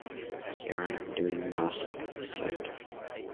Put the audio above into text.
“Here I am doing nothing,” he said.